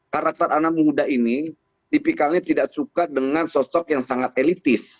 karakter anak muda ini tipikalnya tidak suka dengan sosok yang sangat elitis